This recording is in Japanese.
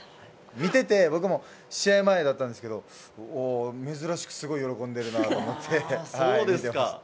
見てて僕も試合前だったんですけど珍しくすごい喜んでるなと思いました。